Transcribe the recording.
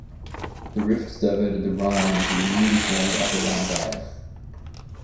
The rift diverted the Rhine into the newly formed Upper Rhine Valley.